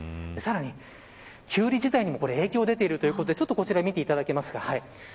さらに、キュウリ自体にも影響が出ているということでこちらを見ていただきますか。